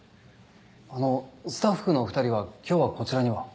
あのスタッフのお二人は今日はこちらには？